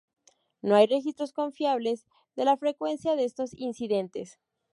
No hay registros confiables de la frecuencia de estos incidentes.